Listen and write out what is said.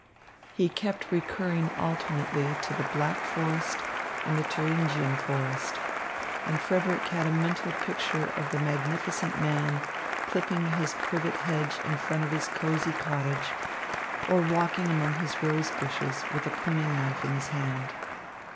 He kept recurring alternately to the Black Forest and the Thüringian Forest, and Frederick had a mental picture of the magnificent man clipping his privet hedge in front of his cosey cottage, or walking among his rose bushes with a pruning knife in his hand.